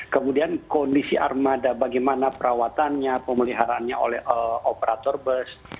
kemudian kondisi armada bagaimana perawatannya pemeliharaannya oleh operator bus